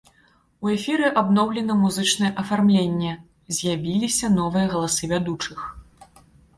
У эфіры абноўлена музычнае афармленне, з'явіліся новыя галасы вядучых.